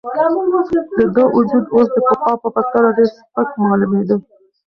د ده وجود اوس د پخوا په پرتله ډېر سپک معلومېده.